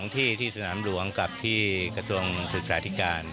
ที่สนามหลวงกับที่กระทรวงศึกษาธิการ